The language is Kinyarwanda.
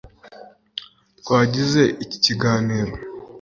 twagize iki kiganiro